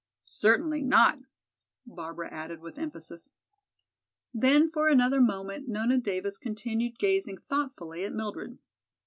"Certainly not," Barbara added with emphasis. Then for another moment Nona Davis continued gazing thoughtfully at Mildred.